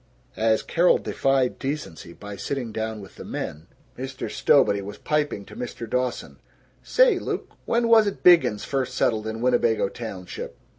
As Carol defied decency by sitting down with the men, Mr. Stowbody was piping to Mr. Dawson, "Say, Luke, when was't Biggins first settled in Winnebago Township?